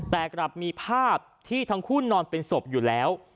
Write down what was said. แต่กลับมีภาพที่ทั้งคู่นอนเป็นศพอยู่แล้ว